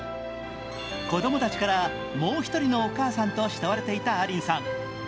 子供たちからもう一人のお母さんと慕われていたアリンさん。